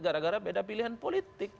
gara gara beda pilihan politik